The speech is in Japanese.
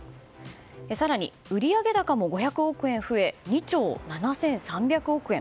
更に、売上高も５００億円増え２兆７３００億円。